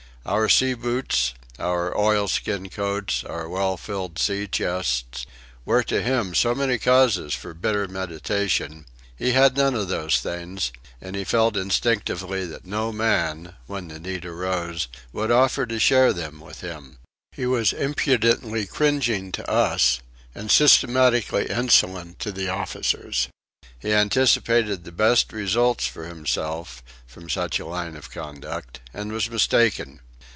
Our sea boots, our oilskin coats, our well filled sea chests, were to him so many causes for bitter meditation: he had none of those things, and he felt instinctively that no man, when the need arose, would offer to share them with him. He was impudently cringing to us and systematically insolent to the officers. He anticipated the best results, for himself, from such a line of conduct and was mistaken.